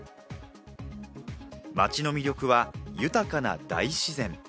街の魅力は豊かな大自然。